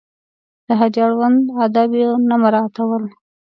د حج اړوند آداب یې نه مراعاتول.